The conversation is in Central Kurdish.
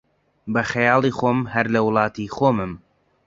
بە خەیاڵی خۆم، هەر لە وڵاتی خۆمم